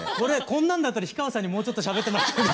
こんなんだったら氷川さんにもうちょっとしゃべってもらっても。